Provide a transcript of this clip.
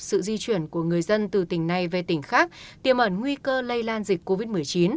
sự di chuyển của người dân từ tỉnh này về tỉnh khác tiềm ẩn nguy cơ lây lan dịch covid một mươi chín